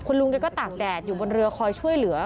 ลุงแกก็ตากแดดอยู่บนเรือคอยช่วยเหลือ